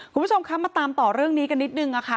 คุณผู้ชมคะมาตามต่อเรื่องนี้กันนิดนึงค่ะ